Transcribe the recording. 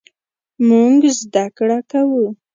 مونږ زده کړه کوو